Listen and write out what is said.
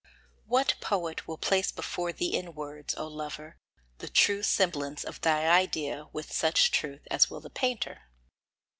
What poet will place before thee in words, O lover, the true semblance of thy idea with such truth as will the painter?